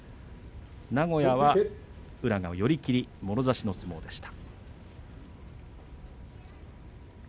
名古屋は宇良が寄り切りもろ差しの相撲でした。